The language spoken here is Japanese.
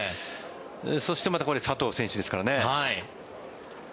そしてまたこれ佐藤選手ですからね。